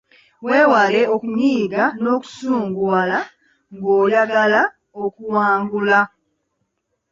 Weewale okunyiiga n’okusunguwala ng’oyagala okuwangaala.